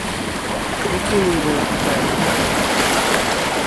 mi kin li wile kute e ni!